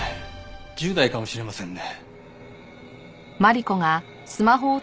１０代かもしれませんね。